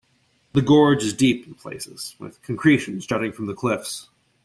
The gorge is deep in places, with concretions jutting from the cliffs.